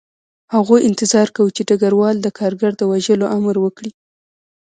هغوی انتظار کاوه چې ډګروال د کارګر د وژلو امر وکړي